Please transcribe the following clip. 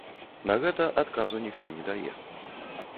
На гэта адказу ніхто не дае.